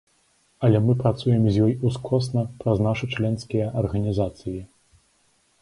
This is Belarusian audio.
Але мы працуем з ёй ускосна праз нашы членскія арганізацыі.